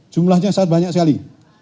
jumlahnya sangat banyak sekali